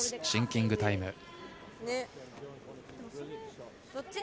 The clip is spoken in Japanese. シンキングタイム。